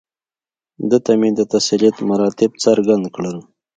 ده ته مې د تسلیت مراتب څرګند کړل.